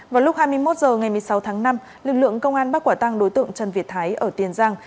vào lúc hai mươi một h ngày một mươi sáu tháng năm lực lượng công an bắt quả tăng đối tượng trần việt thái ở tiền giang